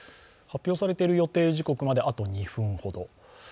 発表されている予定時刻まで、あと２分ほど。